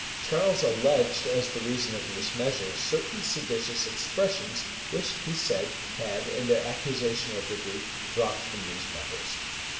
Charles alleged, as the reason of this measure, certain seditious expressions, which, he said, had, in their accusation of the duke, dropped from these members.